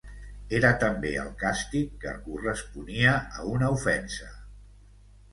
Era també el càstig que corresponia a una ofensa.